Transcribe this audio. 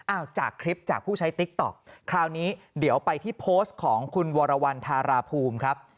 จากคลิปจากผู้ใช้ติ๊กต๊อกคราวนี้เดี๋ยวไปที่โพสต์ของคุณวรวรรณธาราภูมิครับ